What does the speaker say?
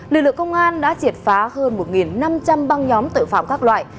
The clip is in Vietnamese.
lực lượng công an đã triệt phá hơn một năm trăm linh băng nhóm tội phạm các loại